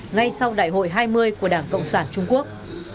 ngay sau đại hội hai mươi của đảng cộng sản trung quốc